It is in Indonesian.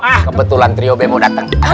ah kebetulan trio b mau dateng